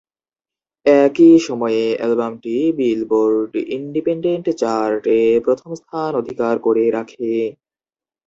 একই সময়ে অ্যালবামটি বিলবোর্ড ইন্ডিপেন্ডেন্ট চার্ট এ প্রথম স্থান অধিকার করে রাখে।